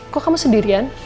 kok kamu sendirian